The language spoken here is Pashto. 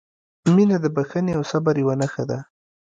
• مینه د بښنې او صبر یوه نښه ده.